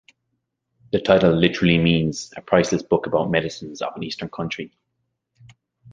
The title literally means "a priceless book about medicines of an Eastern Country".